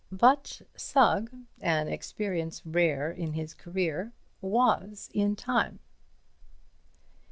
But Sugg—an experience rare in his career—was in time.